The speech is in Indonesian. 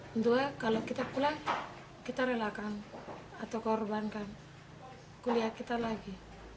tentu kalau kita pulang kita relakan atau korbankan kuliah kita lagi